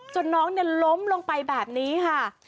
จนน้องเนี่ยล้มลงไปแบบนี้ค่ะ